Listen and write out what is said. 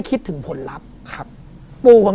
ครับผม